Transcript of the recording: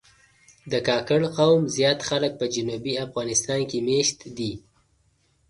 د کاکړ قوم زیات خلک په جنوبي افغانستان کې مېشت دي.